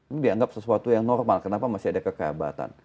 ini dianggap sesuatu yang normal kenapa masih ada kekehabatan